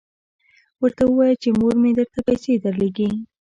ورته ووایه چې مور مې درته پیسې درلیږي.